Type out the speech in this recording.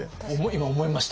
今思いました。